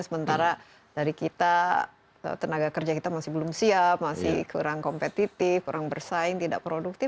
sementara dari kita tenaga kerja kita masih belum siap masih kurang kompetitif kurang bersaing tidak produktif